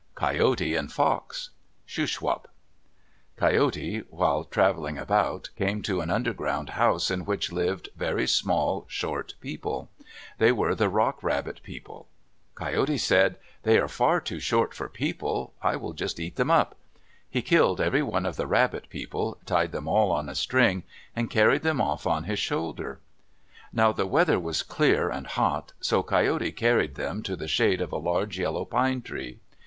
COYOTE AND FOX Shuswap Coyote, while traveling about, came to an underground house in which lived very small, short people. They were the Rock Rabbit People. Coyote said, "They are far too short for people. I will just eat them up." He killed every one of the Rabbit people, tied them all on a string, and carried them off on his shoulder. Now the weather was clear and hot, so Coyote carried them to the shade of a large yellow pine tree.